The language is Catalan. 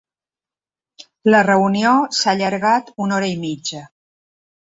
La reunió s’ha allargat una hora i mitja.